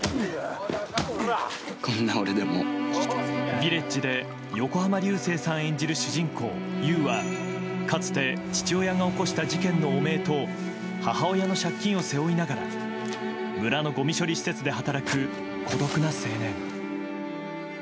「ヴィレッジ」で横浜流星さん演じる主人公・優はかつて父親が起こした事件の汚名と母親の借金を背負いながら村のごみ処理施設で働く孤独な青年。